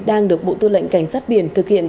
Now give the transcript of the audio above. đang được bộ tư lệnh cảnh sát biển thực hiện